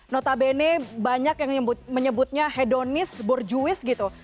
notabene banyak yang menyebutnya hedonis borjuis gitu